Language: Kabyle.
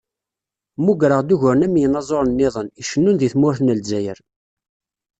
Mmugreɣ-d uguren am yinaẓuren-nniḍen, icennun deg tmurt n Lezzayer.